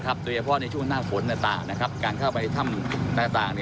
นะครับรายโปะในช่วงหน้าฝนต่างนะครับการเข้าไปท่ามต่าง